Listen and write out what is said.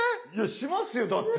しますよだって。